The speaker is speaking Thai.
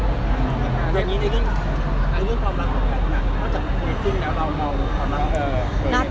อย่างนี้ในเรื่องความรักของแพทย์น่ะเพราะจากคุยสิ้นแล้วเรามองความรักเธอ